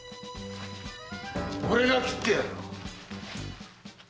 俺が斬ってやる！